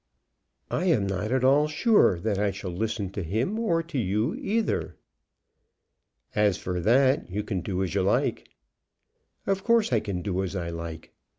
"I am not at all sure that I shall listen to him or to you either." "As for that, you can do as you like." "Of course I can do as I like."